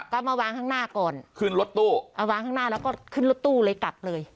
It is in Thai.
ก็มาวางข้างหน้าก่อนขึ้นรถตู้มาวางข้างหน้าแล้วก็ขึ้นรถตู้เลยกลับเลย